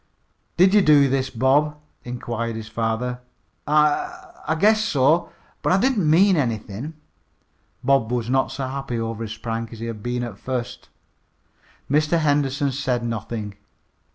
"Did you do this, Bob?" inquired his father. "I I guess so, but I didn't mean anything." Bob was not so happy over his prank as he had been at first. Mr. Henderson said nothing.